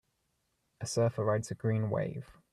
A surfer rides a green wave.